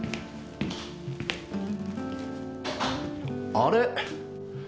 あれ？